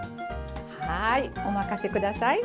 はいお任せ下さい。